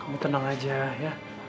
kamu tenang aja ya